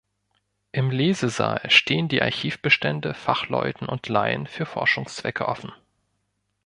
Im Lesesaal stehen die Archivbestände Fachleuten und Laien für Forschungszwecke offen.